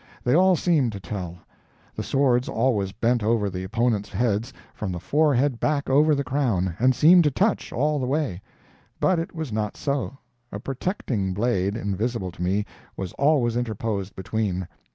They all seemed to tell; the swords always bent over the opponents' heads, from the forehead back over the crown, and seemed to touch, all the way; but it was not so a protecting blade, invisible to me, was always interposed between.